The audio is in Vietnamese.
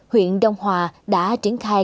huyện đông hòa đã triển khai